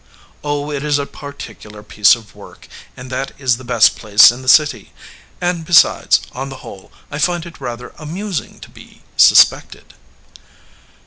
"Oh, it is a particular piece of work, and that is the best place in the city. And, besides, on the whole, I find it rather amusing to be suspected."